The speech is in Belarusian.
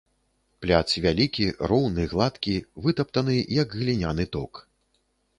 Пляц вялікі, роўны, гладкі, вытаптаны, як гліняны ток.